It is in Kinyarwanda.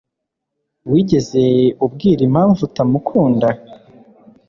Wigeze ubwira impamvu utamukunda?